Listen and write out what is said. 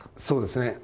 そうですね。